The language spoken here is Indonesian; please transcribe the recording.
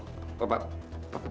kamu kayak ngeliat hantu